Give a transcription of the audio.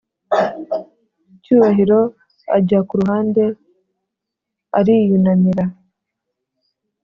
cyubahiro ajya kuruhande ariyunamira